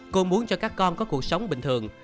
cô muốn cho các con có cuộc sống bình thường